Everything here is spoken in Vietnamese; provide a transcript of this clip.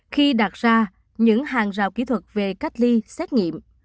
khi đặt ra những hàng rào kỹ thuật về cách ly xét nghiệm